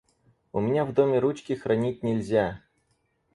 У меня в доме ручки хранить нельзя.